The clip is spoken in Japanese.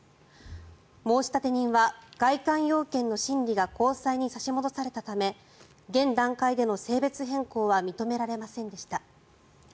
申立人は外観要件の審理が高裁に差し戻されたため現段階での性別変更は認められませんでした。